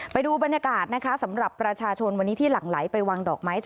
ไปดูบรรยากาศนะคะสำหรับประชาชนวันนี้ที่หลั่งไหลไปวางดอกไม้